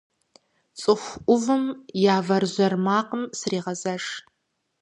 Цӏыху ӏувым я вэржьэр макъым срегъэзэш.